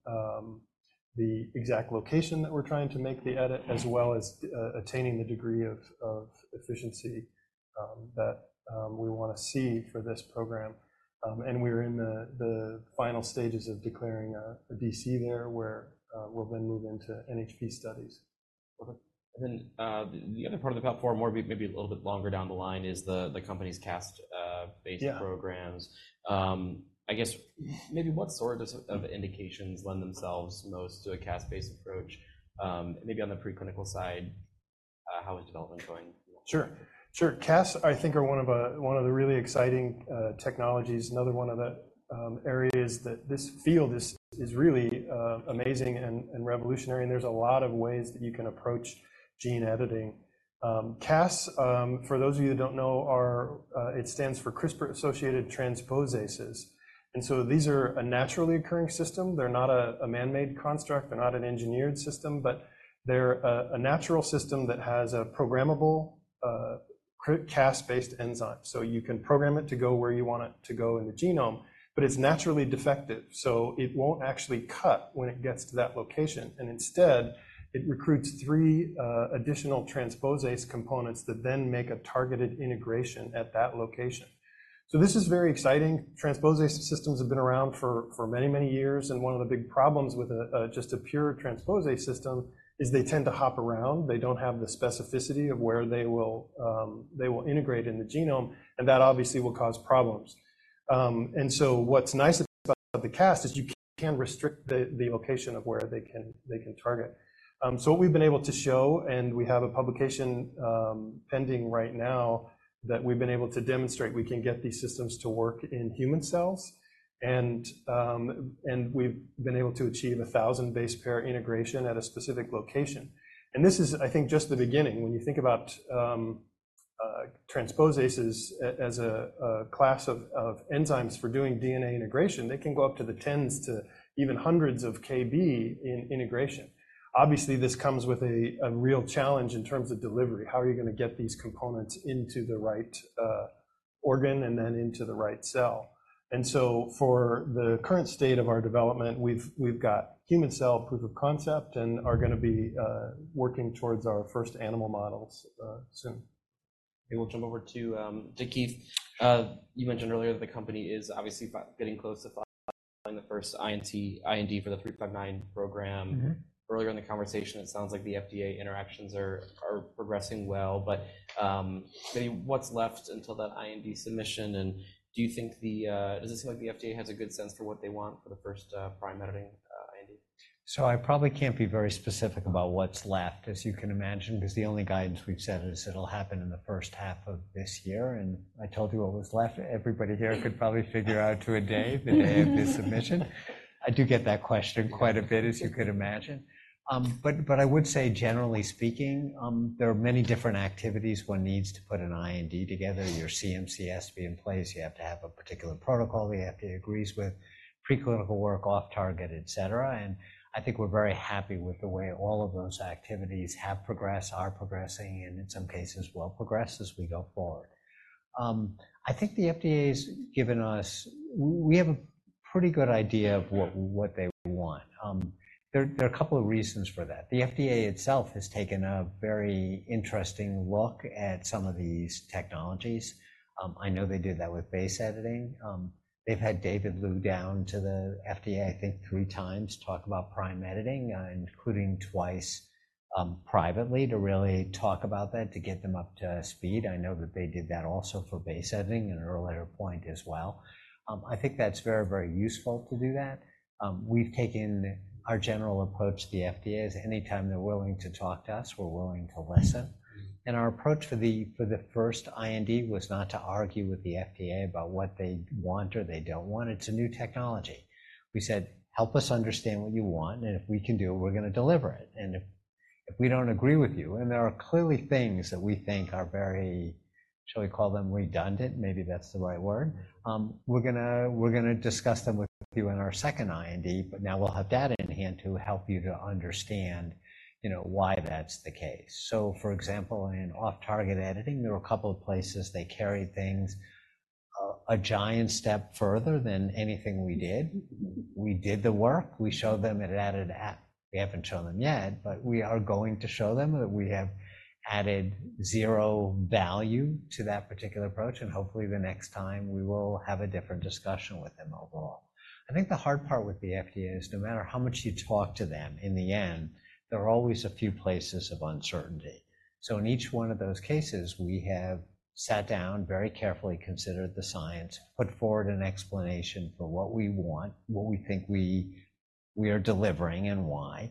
the exact location that we're trying to make the edit as well as attaining the degree of efficiency that we want to see for this program. And we're in the final stages of declaring a DC there where we'll then move into NHP studies. Perfect. And then the other part of the platform, maybe a little bit longer down the line, is the company's CAST-based programs. I guess maybe what sort of indications lend themselves most to a CAST-based approach? Maybe on the preclinical side, how is development going? Sure. Sure. CAST, I think, are one of the really exciting technologies. Another one of the areas that this field is really amazing and revolutionary. And there's a lot of ways that you can approach gene editing. CAST, for those of you that don't know, it stands for CRISPR-associated transposases. And so these are a naturally occurring system. They're not a manmade construct. They're not an engineered system. But they're a natural system that has a programmable CAST-based enzyme. So you can program it to go where you want it to go in the genome. But it's naturally defective. So it won't actually cut when it gets to that location. And instead, it recruits three additional transposase components that then make a targeted integration at that location. So this is very exciting. Transposase systems have been around for many, many years. One of the big problems with just a pure transposase system is they tend to hop around. They don't have the specificity of where they will integrate in the genome. That obviously will cause problems. So what's nice about the CAST is you can restrict the location of where they can target. So what we've been able to show, and we have a publication pending right now that we've been able to demonstrate we can get these systems to work in human cells. We've been able to achieve 1,000 base pair integration at a specific location. This is, I think, just the beginning. When you think about transposases as a class of enzymes for doing DNA integration, they can go up to the tens to even hundreds of kb in integration. Obviously, this comes with a real challenge in terms of delivery. How are you going to get these components into the right organ and then into the right cell? And so for the current state of our development, we've got human cell proof of concept and are going to be working towards our first animal models soon. Maybe we'll jump over to Keith. You mentioned earlier that the company is obviously getting close to filing the first IND for the 359 program. Earlier in the conversation, it sounds like the FDA interactions are progressing well. But maybe what's left until that IND submission? And do you think the does it seem like the FDA has a good sense for what they want for the first Prime Editing IND? So I probably can't be very specific about what's left, as you can imagine, because the only guidance we've set is it'll happen in the first half of this year. And I told you what was left. Everybody here could probably figure out to a day, the day of this submission. I do get that question quite a bit, as you could imagine. But I would say, generally speaking, there are many different activities. One needs to put an IND together. Your CMC has to be in place. You have to have a particular protocol the FDA agrees with, preclinical work, off-target, etc. And I think we're very happy with the way all of those activities have progressed, are progressing, and in some cases, will progress as we go forward. I think the FDA has given us we have a pretty good idea of what they want. There are a couple of reasons for that. The FDA itself has taken a very interesting look at some of these technologies. I know they did that with base editing. They've had David Liu down to the FDA, I think, three times to talk about prime editing, including twice privately, to really talk about that, to get them up to speed. I know that they did that also for base editing at an earlier point as well. I think that's very, very useful to do that. We've taken our general approach, the FDA's, anytime they're willing to talk to us, we're willing to listen. And our approach for the first IND was not to argue with the FDA about what they want or they don't want. It's a new technology. We said, "Help us understand what you want. And if we can do it, we're going to deliver it. If we don't agree with you – and there are clearly things that we think are very – shall we call them redundant? Maybe that's the right word. "We're going to discuss them with you in our second IND. But now we'll have data in hand to help you to understand why that's the case." So for example, in off-target editing, there were a couple of places they carried things a giant step further than anything we did. We did the work. We haven't shown them yet. But we are going to show them that we have added zero value to that particular approach. And hopefully, the next time, we will have a different discussion with them overall. I think the hard part with the FDA is no matter how much you talk to them, in the end, there are always a few places of uncertainty. So in each one of those cases, we have sat down, very carefully considered the science, put forward an explanation for what we want, what we think we are delivering, and why.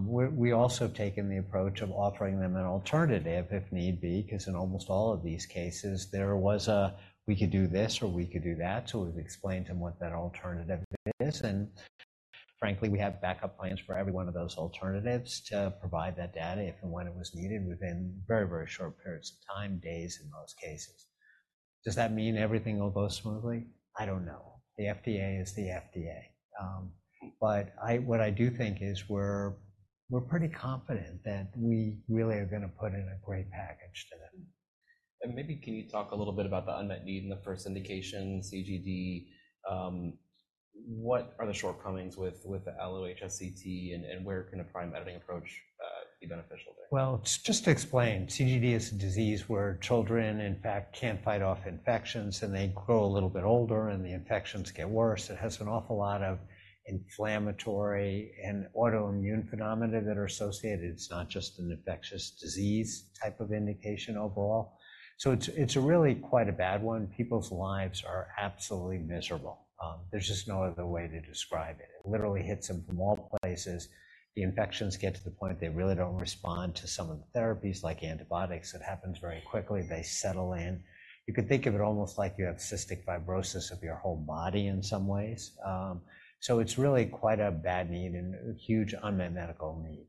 We also have taken the approach of offering them an alternative if need be because in almost all of these cases, there was a, "We could do this," or, "We could do that." So we've explained to them what that alternative is. And frankly, we have backup plans for every one of those alternatives to provide that data if and when it was needed within very, very short periods of time, days in most cases. Does that mean everything will go smoothly? I don't know. The FDA is the FDA. But what I do think is we're pretty confident that we really are going to put in a great package to them. Maybe can you talk a little bit about the unmet need in the first indication, CGD? What are the shortcomings with the Allo-HSCT? Where can a Prime Editing approach be beneficial there? Well, just to explain, CGD is a disease where children, in fact, can't fight off infections. They grow a little bit older. The infections get worse. It has an awful lot of inflammatory and autoimmune phenomena that are associated. It's not just an infectious disease type of indication overall. So it's really quite a bad one. People's lives are absolutely miserable. There's just no other way to describe it. It literally hits them from all places. The infections get to the point they really don't respond to some of the therapies like antibiotics. It happens very quickly. They settle in. You could think of it almost like you have cystic fibrosis of your whole body in some ways. So it's really quite a bad need and a huge unmet medical need.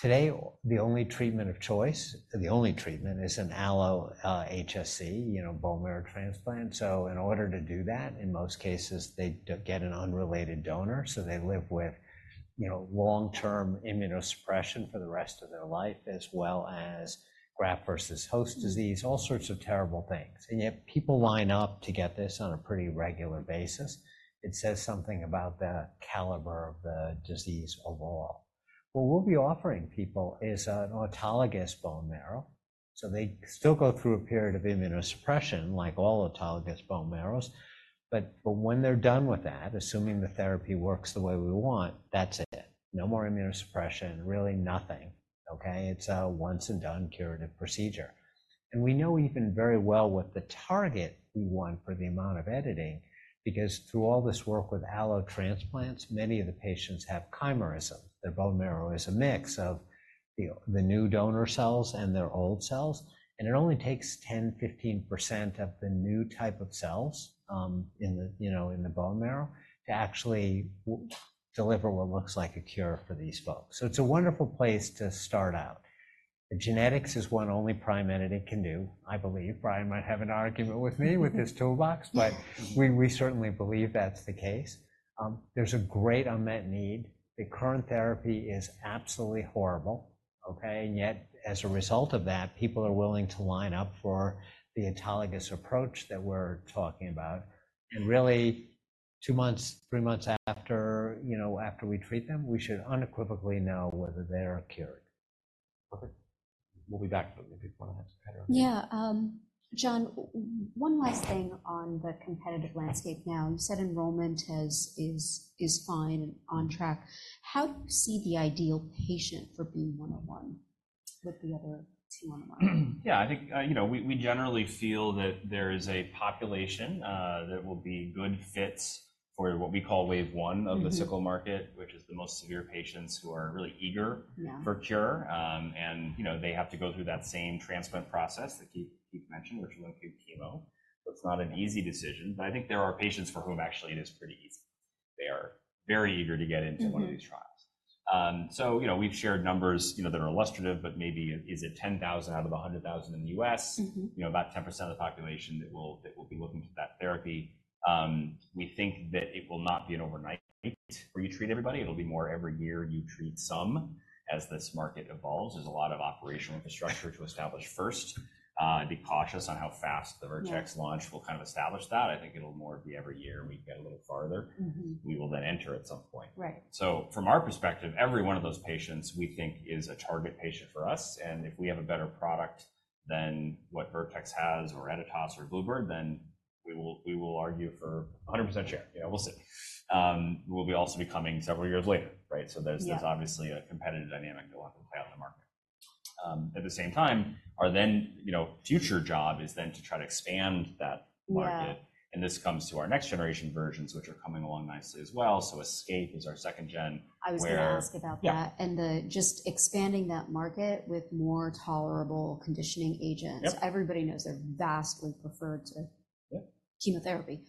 Today, the only treatment of choice the only treatment is an Allo-HSCT, bone marrow transplant. So in order to do that, in most cases, they get an unrelated donor. So they live with long-term immunosuppression for the rest of their life as well as graft versus host disease, all sorts of terrible things. And yet, people line up to get this on a pretty regular basis. It says something about the caliber of the disease overall. What we'll be offering people is an autologous bone marrow. So they still go through a period of immunosuppression like all autologous bone marrows. But when they're done with that, assuming the therapy works the way we want, that's it. No more immunosuppression, really nothing, okay? It's a once-and-done curative procedure. And we know even very well what the target we want for the amount of editing because through all this work with allotransplants, many of the patients have chimerism. Their bone marrow is a mix of the new donor cells and their old cells. It only takes 10%-15% of the new type of cells in the bone marrow to actually deliver what looks like a cure for these folks. It's a wonderful place to start out. Genetics is one only Prime Editing can do, I believe. Brian might have an argument with me with this toolbox. We certainly believe that's the case. There's a great unmet need. The current therapy is absolutely horrible, okay? And yet, as a result of that, people are willing to line up for the autologous approach that we're talking about. And really, two months, three months after we treat them, we should unequivocally know whether they are cured. Perfect. We'll be back if you want to ask a better question. Yeah. John, one last thing on the competitive landscape now. You said enrollment is fine and on track. How do you see the ideal patient for BEAM-101 with the other two on the line? Yeah. I think we generally feel that there is a population that will be good fits for what we call wave one of the sickle market, which is the most severe patients who are really eager for cure. And they have to go through that same transplant process that Keith mentioned, which is myeloablative chemo. So it's not an easy decision. But I think there are patients for whom actually it is pretty easy. They are very eager to get into one of these trials. So we've shared numbers that are illustrative. But maybe is it 10,000 out of the 100,000 in the U.S., about 10% of the population that will be looking to that therapy? We think that it will not be an overnight where you treat everybody. It'll be more every year you treat some. As this market evolves, there's a lot of operational infrastructure to establish first. Be cautious on how fast the Vertex launch will kind of establish that. I think it'll more be every year we get a little farther, we will then enter at some point. So from our perspective, every one of those patients, we think, is a target patient for us. And if we have a better product than what Vertex has or Editas or Bluebird, then we will argue for 100% share. We'll see. We'll be also becoming several years later, right? So there's obviously a competitive dynamic that will have to play out in the market. At the same time, our then future job is then to try to expand that market. And this comes to our next-generation versions, which are coming along nicely as well. So ESCAPE is our second-gen where. I was going to ask about that and just expanding that market with more tolerable conditioning agents. Everybody knows they're vastly preferred to chemotherapy.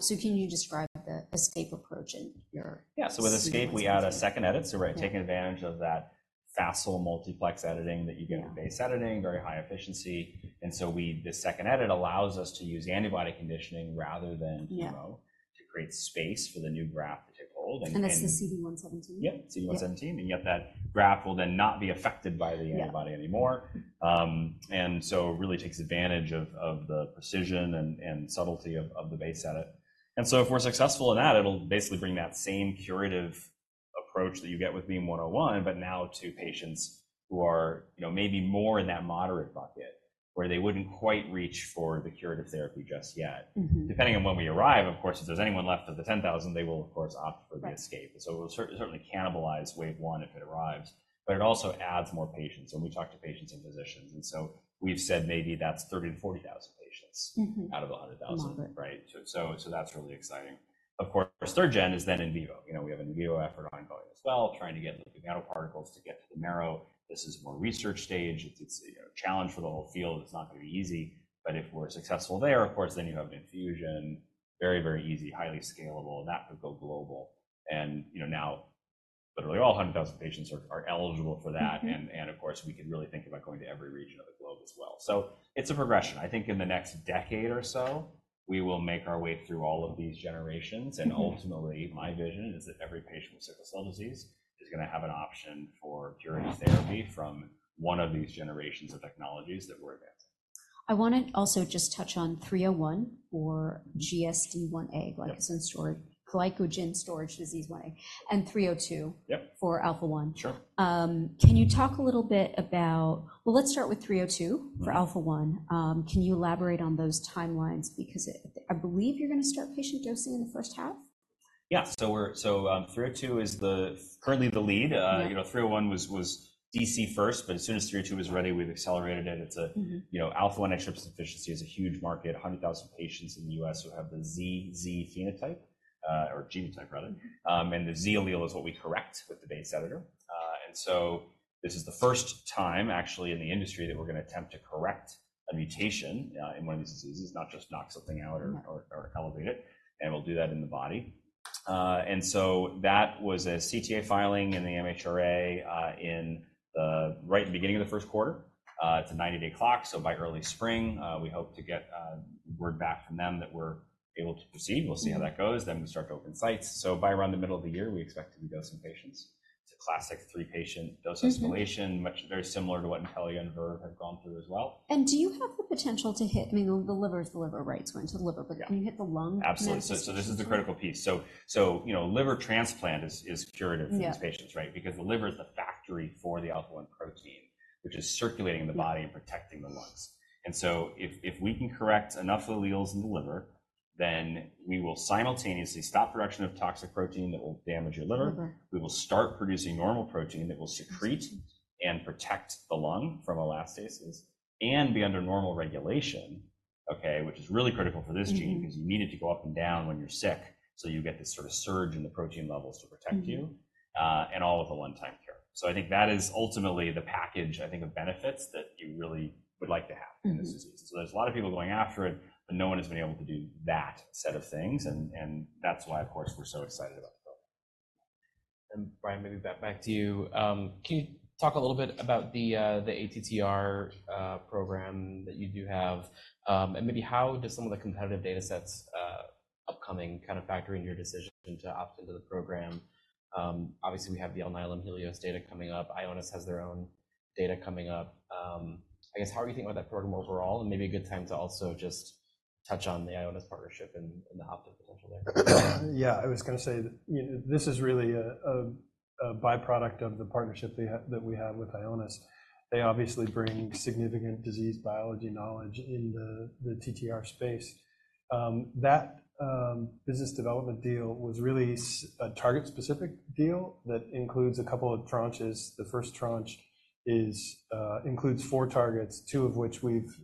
So can you describe the ESCAPE approach in your. Yeah. So with ESCAPE, we add a second edit. So we're taking advantage of that facile multiplex editing that you get with base editing, very high efficiency. And so this second edit allows us to use antibody conditioning rather than chemo to create space for the new graft to take hold. That's the CD117? Yep, CD117. And yet, that graft will then not be affected by the antibody anymore. And so it really takes advantage of the precision and subtlety of the base edit. And so if we're successful in that, it'll basically bring that same curative approach that you get with BEAM-101 but now to patients who are maybe more in that moderate bucket where they wouldn't quite reach for the curative therapy just yet. Depending on when we arrive, of course, if there's anyone left of the 10,000, they will, of course, opt for the ESCAPE. And so it will certainly cannibalize wave one if it arrives. But it also adds more patients. And we talk to patients and physicians. And so we've said maybe that's 30,000-40,000 patients out of the 100,000, right? So that's really exciting. Of course, third gen is then in vivo. We have an in Vivo effort ongoing as well, trying to get nanoparticles to get to the marrow. This is more research stage. It's a challenge for the whole field. It's not going to be easy. But if we're successful there, of course, then you have an infusion, very, very easy, highly scalable. And that could go global. And now, literally, all 100,000 patients are eligible for that. And of course, we could really think about going to every region of the globe as well. So it's a progression. I think in the next decade or so, we will make our way through all of these generations. And ultimately, my vision is that every patient with Sickle Cell Disease is going to have an option for curative therapy from one of these generations of technologies that we're advancing. I want to also just touch on 301 for GSD Ia, Glycogen Storage Disease Type Ia, and 302 for alpha-1. Can you talk a little bit about well, let's start with 302 for alpha-1. Can you elaborate on those timelines? Because I believe you're going to start patient dosing in the first half. Yeah. So 302 is currently the lead. 301 was IND first. But as soon as 302 was ready, we've accelerated it. Alpha-1 Antitrypsin Deficiency is a huge market, 100,000 patients in the U.S. who have the Z phenotype or genotype, rather. And the Z allele is what we correct with the base editor. And so this is the first time, actually, in the industry that we're going to attempt to correct a mutation in one of these diseases, not just knock something out or elevate it. And we'll do that in the body. And so that was a CTA filing in the MHRA right in the beginning of the first quarter. It's a 90-day clock. So by early spring, we hope to get word back from them that we're able to proceed. We'll see how that goes. Then we start to open sites. By around the middle of the year, we expect to do dosing patients. It's a classic three-patient dose escalation, very similar to what Intellia and Verve have gone through as well. Do you have the potential to hit—I mean, the liver is the liver, right? It's going to the liver. But can you hit the lung? Absolutely. This is the critical piece. Liver transplant is curative for these patients, right? Because the liver is the factory for the alpha-1 protein, which is circulating in the body and protecting the lungs. If we can correct enough alleles in the liver, then we will simultaneously stop production of toxic protein that will damage your liver. We will start producing normal protein that will secrete and protect the lung from elastases and be under normal regulation, okay, which is really critical for this gene because you need it to go up and down when you're sick. You get this sort of surge in the protein levels to protect you and all of the one-time care. I think that is ultimately the package, I think, of benefits that you really would like to have in this disease. And so there's a lot of people going after it. But no one has been able to do that set of things. And that's why, of course, we're so excited about the program. And Brian, maybe back to you. Can you talk a little bit about the ATTR program that you do have? And maybe how do some of the competitive data sets upcoming kind of factor in your decision to opt into the program? Obviously, we have the Alnylam HELIOS data coming up. Ionis has their own data coming up. I guess, how are you thinking about that program overall? And maybe a good time to also just touch on the Ionis partnership and the opt-in potential there. Yeah. I was going to say this is really a byproduct of the partnership that we have with Ionis. They obviously bring significant disease biology knowledge in the TTR space. That business development deal was really a target-specific deal that includes a couple of tranches. The first tranche includes four targets, two of which we've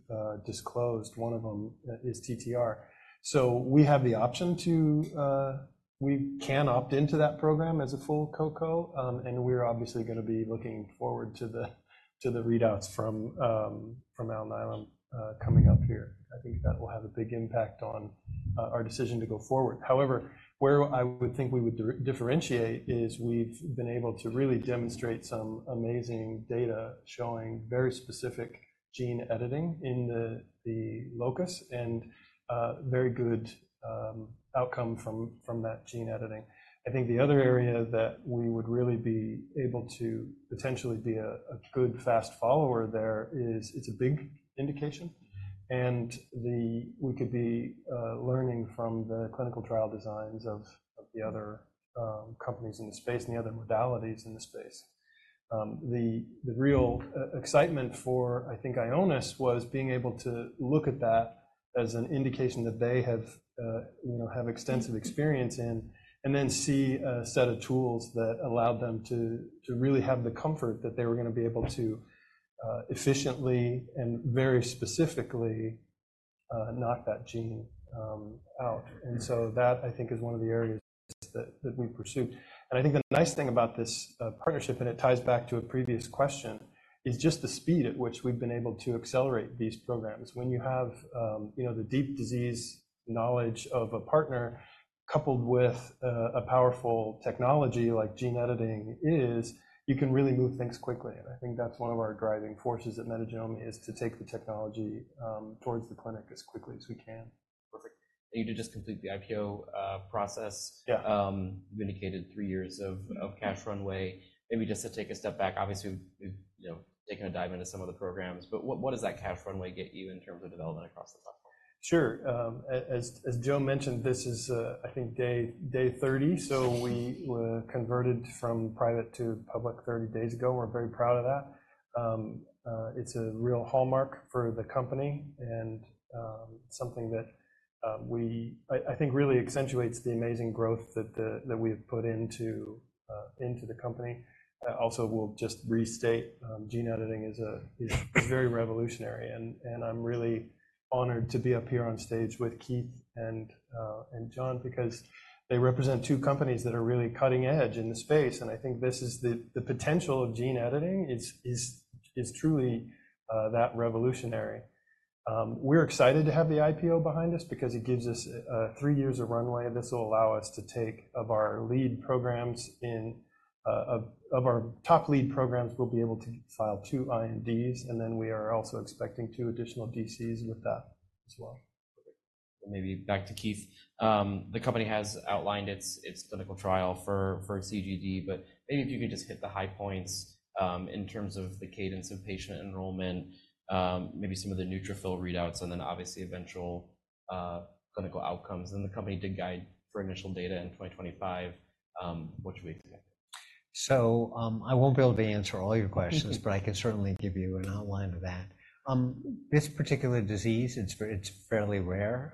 disclosed. One of them is TTR. So we have the option to we can opt into that program as a full co-co. And we're obviously going to be looking forward to the readouts from Alnylam coming up here. I think that will have a big impact on our decision to go forward. However, where I would think we would differentiate is we've been able to really demonstrate some amazing data showing very specific gene editing in the locus and very good outcome from that gene editing. I think the other area that we would really be able to potentially be a good, fast follower there is. It's a big indication. And we could be learning from the clinical trial designs of the other companies in the space and the other modalities in the space. The real excitement for, I think, Ionis was being able to look at that as an indication that they have extensive experience in and then see a set of tools that allowed them to really have the comfort that they were going to be able to efficiently and very specifically knock that gene out. And so that, I think, is one of the areas that we pursued. And I think the nice thing about this partnership, and it ties back to a previous question, is just the speed at which we've been able to accelerate these programs. When you have the deep disease knowledge of a partner coupled with a powerful technology like gene editing, you can really move things quickly. I think that's one of our driving forces at Metagenomi to take the technology towards the clinic as quickly as we can. Perfect. And you did just complete the IPO process. You indicated three years of cash runway. Maybe just to take a step back, obviously, we've taken a dive into some of the programs. But what does that cash runway get you in terms of development across the platform? Sure. As Joe mentioned, this is, I think, day 30. So we converted from private to public 30 days ago. We're very proud of that. It's a real hallmark for the company and something that, I think, really accentuates the amazing growth that we have put into the company. Also, we'll just restate, gene editing is very revolutionary. And I'm really honored to be up here on stage with Keith and John because they represent two companies that are really cutting edge in the space. And I think the potential of gene editing is truly that revolutionary. We're excited to have the IPO behind us because it gives us three years of runway. This will allow us to take care of our lead programs. One of our top lead programs, we'll be able to file two INDs. And then we are also expecting two additional INDs with that as well. Perfect. Maybe back to Keith. The company has outlined its clinical trial for CGD. But maybe if you could just hit the high points in terms of the cadence of patient enrollment, maybe some of the neutrophil readouts, and then obviously eventual clinical outcomes. And the company did guide for initial data in 2025. What should we expect? So I won't be able to answer all your questions. But I can certainly give you an outline of that. This particular disease, it's fairly rare.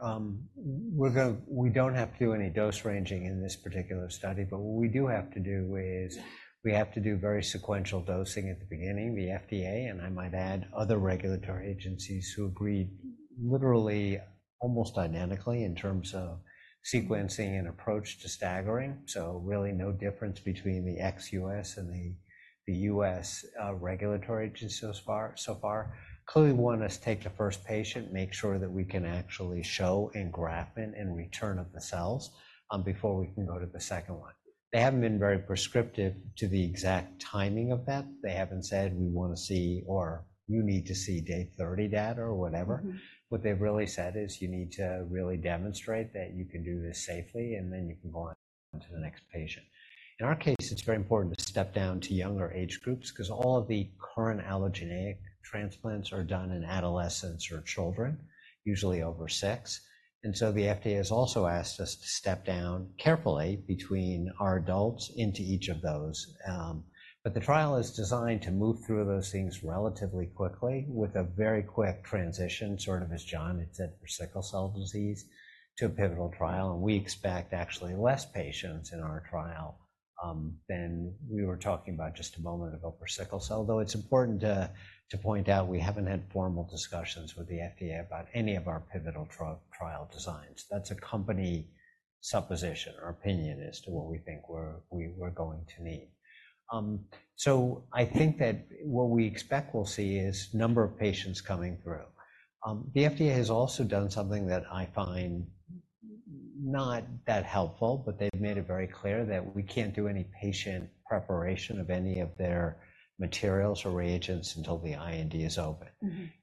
We don't have to do any dose ranging in this particular study. But what we do have to do is we have to do very sequential dosing at the beginning, the FDA, and I might add other regulatory agencies who agreed literally, almost dynamically in terms of sequencing and approach to staggering. So really no difference between the ex-U.S. and the U.S. regulatory agency so far. Clearly, we want to take the first patient, make sure that we can actually show and engraft it and return of the cells before we can go to the second one. They haven't been very prescriptive to the exact timing of that. They haven't said, "We want to see," or, "You need to see day 30 data," or whatever. What they've really said is, "You need to really demonstrate that you can do this safely. And then you can go on to the next patient." In our case, it's very important to step down to younger age groups because all of the current allogeneic transplants are done in adolescents or children, usually over six. And so the FDA has also asked us to step down carefully between our adults into each of those. But the trial is designed to move through those things relatively quickly with a very quick transition, sort of as John had said, for sickle cell disease to a pivotal trial. And we expect actually less patients in our trial than we were talking about just a moment ago for sickle cell. Though it's important to point out, we haven't had formal discussions with the FDA about any of our pivotal trial designs. That's a company supposition, our opinion, as to what we think we're going to need. So I think that what we expect we'll see is a number of patients coming through. The FDA has also done something that I find not that helpful. But they've made it very clear that we can't do any patient preparation of any of their materials or reagents until the IND is open.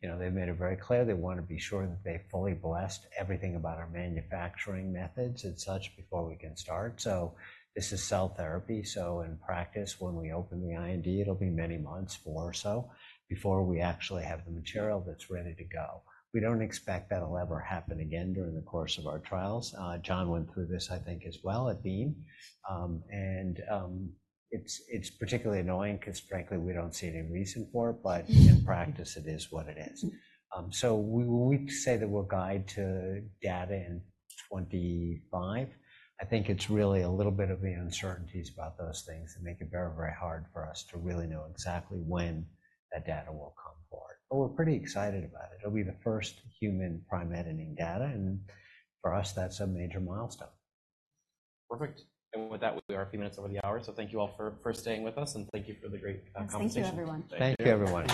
They've made it very clear. They want to be sure that they fully blessed everything about our manufacturing methods and such before we can start. So this is cell therapy. So in practice, when we open the IND, it'll be many months or so before we actually have the material that's ready to go. We don't expect that will ever happen again during the course of our trials. John went through this, I think, as well at Beam. And it's particularly annoying because, frankly, we don't see any reason for it. But in practice, it is what it is. So we say that we'll guide to data in 2025. I think it's really a little bit of the uncertainties about those things that make it very, very hard for us to really know exactly when that data will come forward. But we're pretty excited about it. It'll be the first human Prime Editing data. And for us, that's a major milestone. Perfect. With that, we are a few minutes over the hour. Thank you all for staying with us. Thank you for the great conversation. Thank you, everyone. Thank you, everyone.